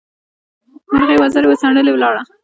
مرغۍ وزرې وڅنډلې؛ ولاړه.